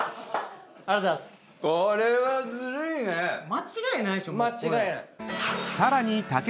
間違いないでしょ。